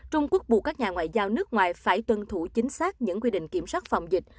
trung quốc buộc các nhà ngoại giao nước ngoài phải tuân thủ chính xác những quy định kiểm soát phòng dịch